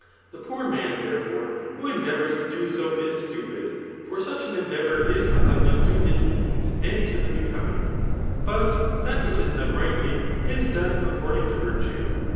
The poor noaa, tharefoi«^.wli0 unUaTOurs to do so is stupid ; kxr auch an endeavour is repugnant to his means and to the becoming* But that which is done rightly, is done accordtag to virtue.